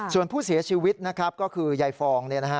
ส่วนผู้เสียชีวิตนะครับก็คือยายฟอง